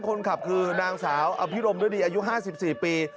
คนขับคือนางสาวอภิรมฤดีอายุ๕๔ปี